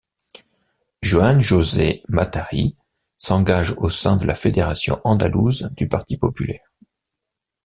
Juan José Matarí s'engage au sein de la fédération andalouse du Parti populaire.